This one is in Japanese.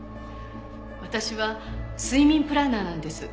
私は睡眠プランナーなんです。